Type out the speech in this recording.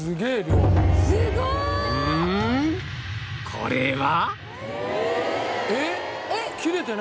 これは